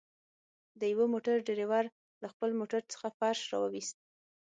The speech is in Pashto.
د يوه موټر ډريور له خپل موټر څخه فرش راوويست.